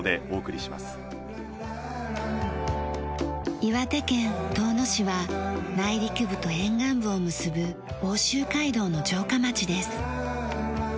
岩手県遠野市は内陸部と沿岸部を結ぶ奥州街道の城下町です。